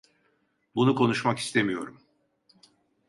Bunu konuşmak istemiyorum.